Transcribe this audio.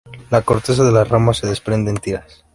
La corteza de las ramas se desprende en tiras.